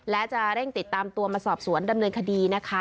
และจะเร่งติดตามตัวมาสอบสวนดำเนินคดีนะคะ